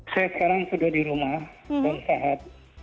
saya sekarang sudah di rumah dan sehat